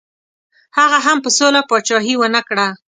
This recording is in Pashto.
هغه هم په سوله پاچهي ونه کړه.